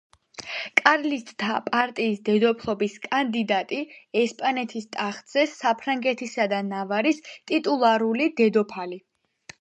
კარლისტთა პარტიის დედოფლობის კანდიდატი ესპანეთის ტახტზე, საფრანგეთისა და ნავარის ტიტულარული დედოფალი.